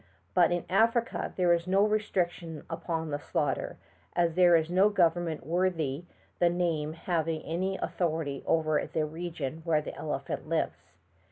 But in Africa there is no restriction upon the slaughter, as there is no government worthy the name having any authority over the region where the elephant lives.